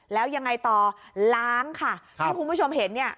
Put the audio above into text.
แล้วยังไงต่อล้างค่ะที่คุณผู้ชมเห็นเนี่ย